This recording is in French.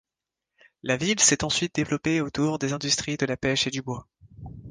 La ville s'est ensuite développée autour des industries de la pêche et du bois.